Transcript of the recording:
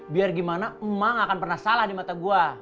biar gimana emak akan pernah salah di mata gue